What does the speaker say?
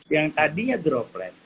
yang tadinya droplet